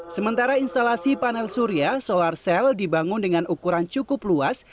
sementara instalasi panel surya solar cell dibangun dengan ukuran cukup luas